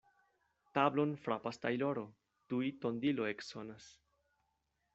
Tablon frapas tajloro, tuj tondilo eksonas.